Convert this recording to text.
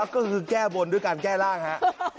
ก็คือแก้บนด้วยการแก้ร่างครับ